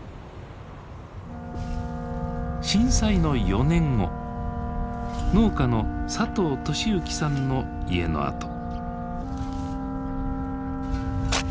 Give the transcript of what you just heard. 震災の４年後農家の佐藤利幸さんの家の跡。